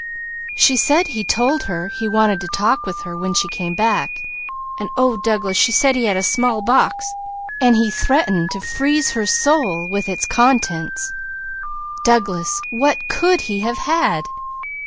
She said he told her he wanted to talk with her when she came back and oh Douglas, she said he had a small box and he threatend to 'freeze her soul with its contents!' Douglas, what could he have had?"